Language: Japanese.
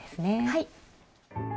はい。